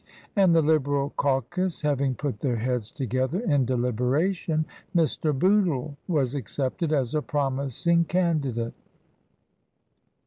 20^ and the Liberal caucus having put their heads together in deliberation, Mr. Bootle was accepted as a promising candidate.